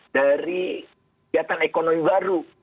dari kegiatan ekonomi baru